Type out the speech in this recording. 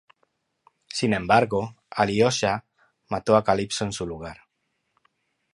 Sin embargo, Alyosha mató a Calipso en su lugar.